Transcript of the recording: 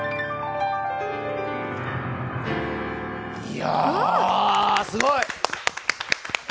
いや、すごい！